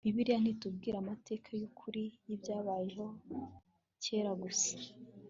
bibiliya ntitubwira amateka y ukuri y ibyabayeho kera gusa